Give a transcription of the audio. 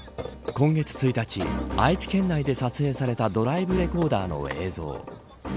今月１日愛知県内で撮影されたドライブレコーダーの映像。